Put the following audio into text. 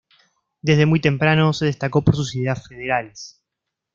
Desde muy temprano se destacó por sus ideas federales.